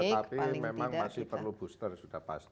iya tetapi memang masih perlu booster sudah pasti